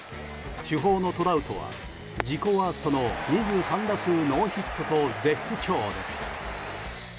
主砲のトラウトは自己ワーストの２３打数ノーヒットと絶不調です。